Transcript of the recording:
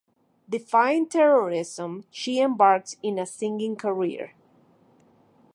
Defying terrorism, she embarks in a singing career.